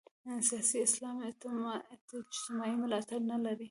سیاسي اسلام اجتماعي ملاتړ نه لري.